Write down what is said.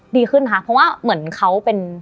ดีขึ้นค่ะเพราะว่าเหมือนเขาเป็น